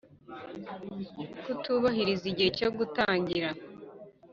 Kutubahiriza igihe cyo gutangira